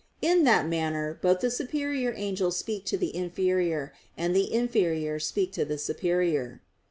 In that manner both the superior angels speak to the inferior, and the inferior speak to the superior.